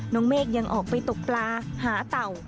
เมฆยังออกไปตกปลาหาเต่า